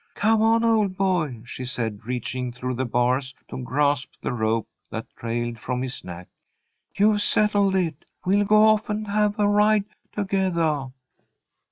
"Come on, old boy," she said, reaching through the bars to grasp the rope that trailed from his neck. "You've settled it. We'll go off and have a ride togethah."